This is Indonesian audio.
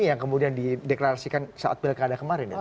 ini yang kemudian dideklarasikan saat pilih kandang kemarin